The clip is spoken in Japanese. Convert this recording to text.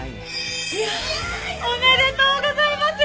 おめでとうございます！